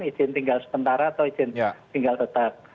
izin tinggal sementara atau izin tinggal tetap